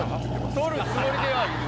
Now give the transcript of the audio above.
取るつもりではいる。